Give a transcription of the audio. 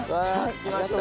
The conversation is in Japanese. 着きました。